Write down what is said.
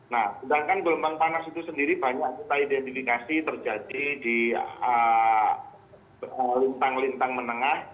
nah sedangkan gelombang panas itu sendiri banyak kita identifikasi terjadi di lintang lintang menengah